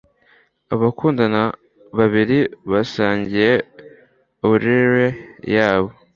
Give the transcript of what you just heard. abakundana babiri basangiye aureole yawe